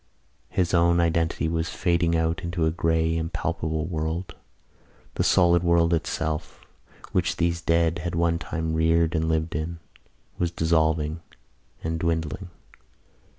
His own identity was fading out into a grey impalpable world: the solid world itself which these dead had one time reared and lived in was dissolving and dwindling.